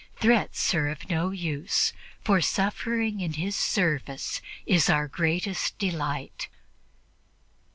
Threats are of no use, for suffering in His service is our greatest delight."